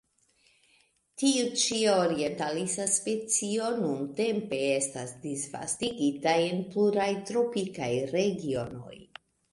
Tiu ĉi orientalisa specio nuntempe estas disvastigita en pluraj tropikaj regionoj.